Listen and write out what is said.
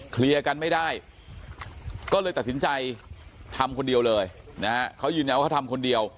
เคลียร์กันไม่ได้ก็เลยตัดสินใจทำคนเดียวเลยนะฮะเขายืนยันว่าเขาทำคนเดียว